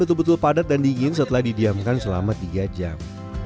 betul betul padat dan dingin setelah didiamkan selama tiga jam